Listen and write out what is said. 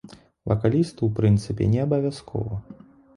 Вакалісту, у прынцыпе, неабавязкова.